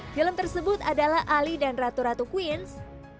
film tersebut adalah ali dan ratu ratu queens